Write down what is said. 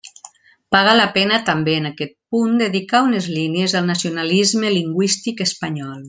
Paga la pena també en aquest punt dedicar unes línies al nacionalisme lingüístic espanyol.